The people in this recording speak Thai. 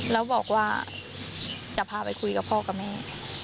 แล้วบอกว่าจะพาไปคุยกับพ่อกับแม่